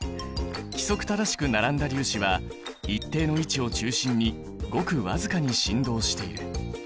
規則正しく並んだ粒子は一定の位置を中心にごく僅かに振動している。